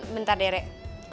bentar deh rek